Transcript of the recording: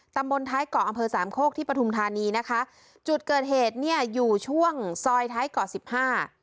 มนต์ท้ายเกาะอำเภอสามโคกที่ปฐุมธานีนะคะจุดเกิดเหตุเนี้ยอยู่ช่วงซอยท้ายเกาะสิบห้า